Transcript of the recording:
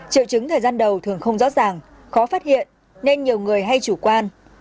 triệu chứng thời gian đầu thường không rõ ràng khó phát hiện nên nhiều người hay chủ quan